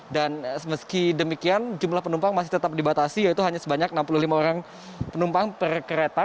dan meski demikian jumlah penumpang masih tetap dibatasi yaitu hanya sebanyak enam puluh lima orang penumpang per kereta